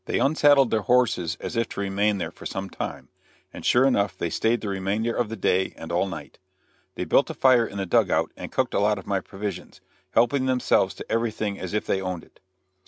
They unsaddled their horses as if to remain there for some time, and sure enough they stayed the remainder of the day and all night. They built a fire in the dug out and cooked a lot of my provisions, helping themselves to everything as if they owned it.